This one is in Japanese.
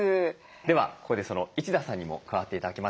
ではここでその一田さんにも加わって頂きましょう。